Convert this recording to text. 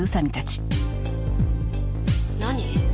何？